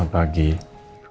selamat pagi pa